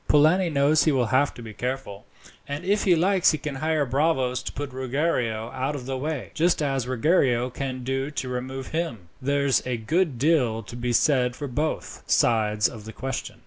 Polani knows he will have to be careful, and if he likes he can hire bravos to put Ruggiero out of the way, just as Ruggiero can do to remove him. There's a good deal to be said for both sides of the question."